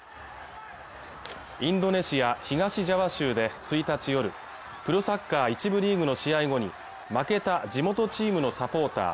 インドネシア東ジャワ州で１日夜プロサッカー１部リーグの試合後に負けた地元チームのサポーター